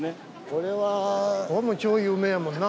ここも超有名やもんな。